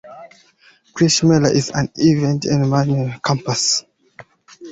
Krishi Mela is an annual event in the campus.